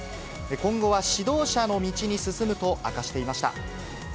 今後は指導者の道に進むと明かしていました。